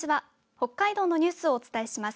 北海道のニュースをお伝えします。